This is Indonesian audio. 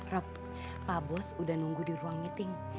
rab pak bos udah nunggu di ruang meeting